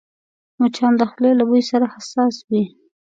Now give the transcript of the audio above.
مچان د خولې له بوی سره حساس وي